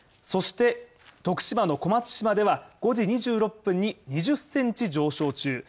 そして、徳島の小松島では５時２６分に２０センチ上昇中。